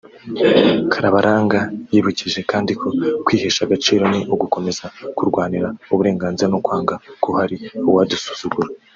Karabaranga yibukije kandi ko “Kwihesha agaciro ni ugukomeza kurwanira uburenganzira no kwanga ko hari uwadusuzugura”